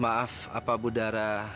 maaf apa bu dara